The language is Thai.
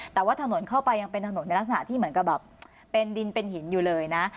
แต่ว่าถนนเข้าไปยังเป็นถนนในลักษณะที่เหมือนกับแบบเป็นดินเป็นหินอยู่เลยนะ